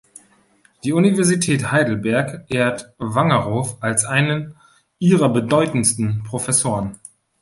Die Universität Heidelberg ehrt Vangerow als einen ihrer bedeutendsten Professoren.